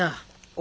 お！